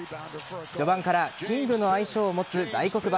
序盤からキングの愛称を持つ大黒柱